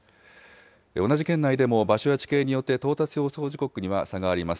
同じ県内でも場所や地形によって到達予想時刻には差があります。